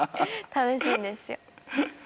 楽しいんですよ。